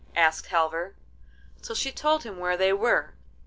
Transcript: asked Halvor. So she told him where they were.